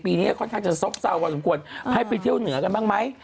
นี้ค่อนข้างจะซบเศร้าพอสมควรให้ไปเที่ยวเหนือกันบ้างไหม